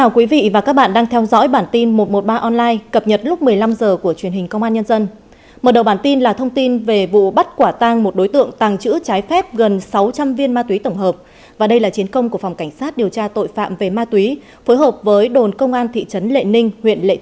các bạn hãy đăng ký kênh để ủng hộ kênh của chúng mình nhé